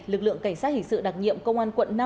lực lượng cảnh sát hình sự đặc nhiệm công an quận năm